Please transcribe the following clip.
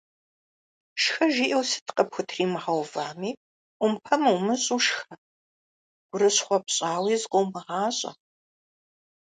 Шхэ жиӏэу сыт къыпхутримыгъэувами – ӏумпэм умыщӏу, шхэ, гурыщхъуэ пщӏауи зыкъыумыгъащӏэ.